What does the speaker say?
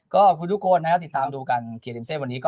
ก็ทุกคนติดตามดูกันเคลียร์ดิมเซ่วันนี้